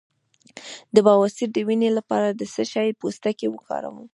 د بواسیر د وینې لپاره د څه شي پوستکی وکاروم؟